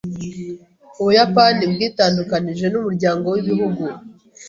Ubuyapani bwitandukanije n’umuryango w’ibihugu .